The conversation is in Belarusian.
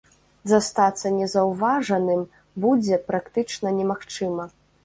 Застацца незаўважаным будзе практычна немагчыма.